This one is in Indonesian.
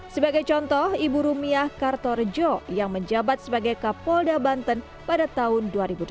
sebagai contoh ibu rumiah kartorejo yang menjabat sebagai kapolda banten pada tahun dua ribu delapan belas